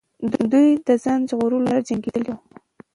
دوی د ځان ژغورلو لپاره جنګېدلې وو.